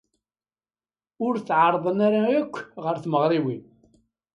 Ur tɛerrḍen ara yakk ɣer tmeɣriwin.